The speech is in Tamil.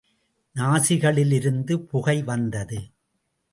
நாசிகளிலிருந்து புகை வந்தது.